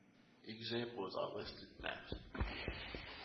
Examples are listed next.